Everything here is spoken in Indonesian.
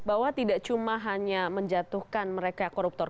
bahwa tidak cuma hanya menjatuhkan mereka koruptor